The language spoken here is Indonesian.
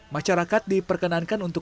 masyarakat diperkenankan untuk makanannya